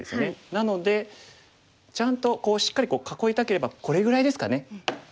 なのでちゃんとしっかり囲いたければこれぐらいですかね。